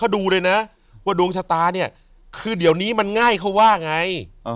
ดูเลยนะว่าดวงชะตาเนี่ยคือเดี๋ยวนี้มันง่ายเขาว่าไง